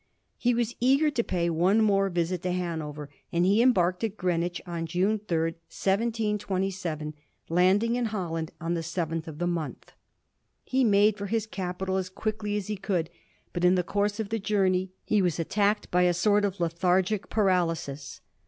He was eager to pay one other visit to Han over, and he embarked at Greenwich on June 3, 1727, landing in Holland on the 7th of the month. He made for his capital as quickly as he could, but in the course of the journey he was attacked by a sort of lethargic paralysis.